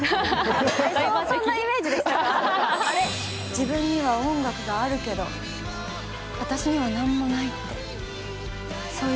自分には音楽があるけど私には何もないってそう言いたいわけ？